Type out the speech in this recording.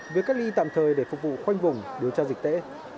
việc cách ly tạm thời để phục vụ khoanh vùng điều tra dịch tễ